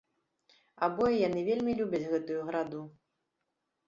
Абое яны вельмі любяць гэтую граду.